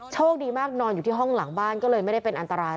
โชคดีมากนอนอยู่ที่ห้องหลังบ้านก็เลยไม่ได้เป็นอันตราย